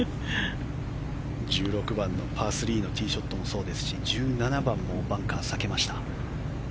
１６番のパー３のティーショットもそうですし１７番もバンカーを避けました。